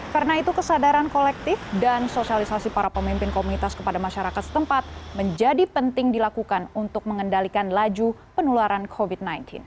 karena itu kesadaran kolektif dan sosialisasi para pemimpin komunitas kepada masyarakat setempat menjadi penting dilakukan untuk mengendalikan laju penularan covid sembilan belas